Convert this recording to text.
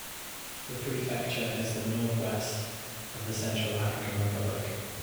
The prefecture is in the nord-west of the Central African Republic.